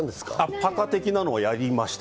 ぱかっ的なものはやりました。